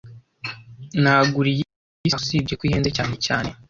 Nagura iyi saha, usibye ko ihenze cyane cyane